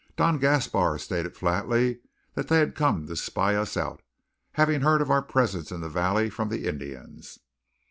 Don Gaspar stated flatly that they had come to spy us out, having heard of our presence in the valley from the Indians.